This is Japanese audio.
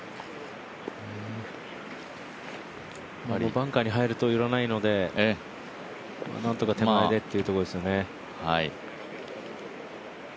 バンカーに入りたくないのでなんとか手前でというところですね。